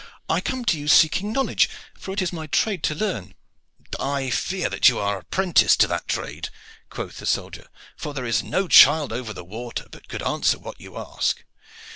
I come to you seeking knowledge, for it is my trade to learn." "I fear that you are yet a 'prentice to that trade," quoth the soldier; "for there is no child over the water but could answer what you ask.